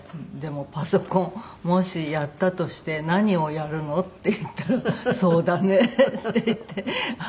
「でもパソコンもしやったとして何をやるの？」って言ったら「そうだね」って言って。